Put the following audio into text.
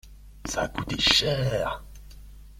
Ça a coûté cher.